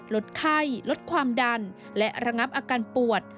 ลดไข้ลดความดันและระงับอาการปวด